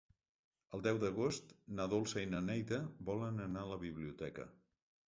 El deu d'agost na Dolça i na Neida volen anar a la biblioteca.